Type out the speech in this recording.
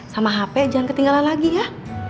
sama hp jangan ketinggalan lagi ya